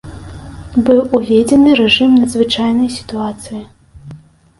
Быў уведзены рэжым надзвычайнай сітуацыі.